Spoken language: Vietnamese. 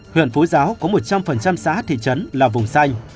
huyện phố giáo có một trăm linh xã thị trấn là vùng xanh